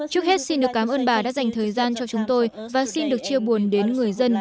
trước hết xin được cảm ơn bà đã dành thời gian cho chúng tôi và xin được chia buồn đến người dân